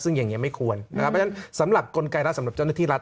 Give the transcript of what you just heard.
ซึ่งอย่างนี้ไม่ควรนะครับเพราะฉะนั้นสำหรับกลไกรรัฐสำหรับเจ้าหน้าที่รัฐ